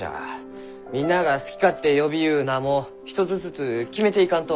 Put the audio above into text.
みんなあが好き勝手呼びゆう名も一つずつ決めていかんと。